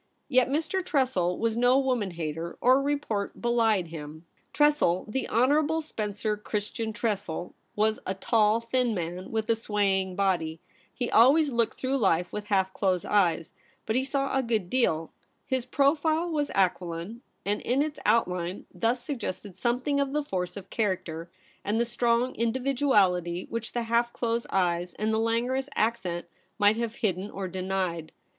Yet Mr. Tressel was no woman hater, or report belied him. Tressel — the Honourable Spencer Chris tian Tressel — was a tall, thin man, with a swaying body. He always looked through life with half closed eyes ; but he saw a good deal. His profile was aquiline, and in its 122 THE REBEL ROSE. outline thus suggested something of the force of character and the strong individuality which the half closed eyes and the languorous accent might have hidden or denied.